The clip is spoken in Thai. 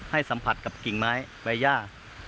สัมผัสกับกิ่งไม้ใบย่า